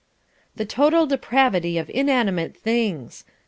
"The total depravity of inanimate things."